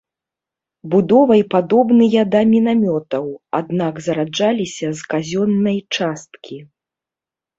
Будовай падобныя да мінамётаў, аднак зараджаліся з казённай часткі.